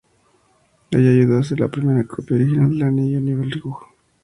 Allí ayudó a hacer la primera copia original de El anillo del nibelungo.